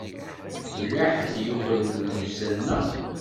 Yella ḥedd i yukren llebsa-nneɣ.